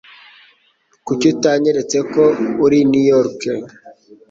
Kuki utanyeretse ko uri i New York?